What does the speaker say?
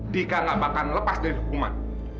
dika nggak bakal lepas dari hukuman